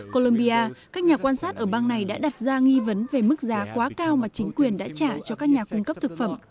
colombia các nhà quan sát ở bang này đã đặt ra nghi vấn về mức giá quá cao mà chính quyền đã trả cho các nhà cung cấp thực phẩm